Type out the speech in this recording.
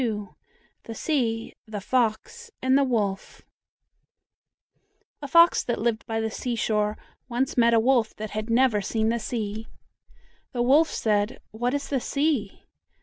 THE SEA, THE FOX, AND THE WOLF A fox that lived by the seashore once met a wolf that had never seen the sea. The wolf said, "What is the sea?"